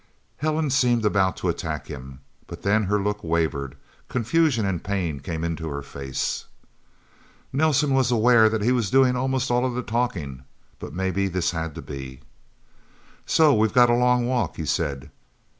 Helen seemed about to attack him. But then her look wavered; confusion and pain came into her face. Nelsen was aware that he was doing almost all of the talking, but maybe this had to be. "So we've got a long walk," he said.